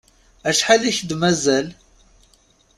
Acḥal i k-d-mazal?